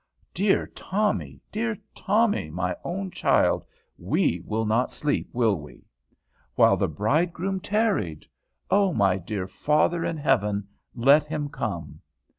Dear Tommy, dear Tommy, my own child, we will not sleep, will we? 'While the bridegroom tarried,' O my dear Father in Heaven, let him come.